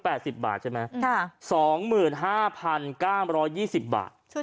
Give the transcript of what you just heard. สิบบาทใช่ไหมค่ะสองหมื่นห้าพันเก้ามร้อยยี่สิบบาท